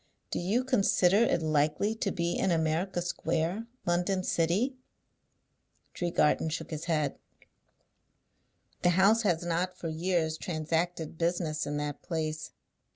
Do you consider it likely to be in America Square, London City?" Tregarthen shook his head. "The house has not, for years, transacted business in that place.